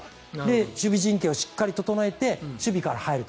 守備陣形をしっかり整えて守備から入ると。